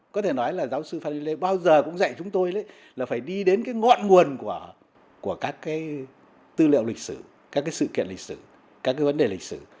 có thể nói là giáo sư phan huy lê bao giờ cũng dạy chúng tôi là phải đi đến cái ngọn nguồn của các cái tư liệu lịch sử các cái sự kiện lịch sử các cái vấn đề lịch sử